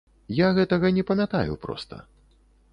Я гэтага не памятаю проста.